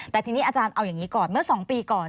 แต่ทีนี้อาจารย์เอาอย่างนี้ก่อนเมื่อ๒ปีก่อน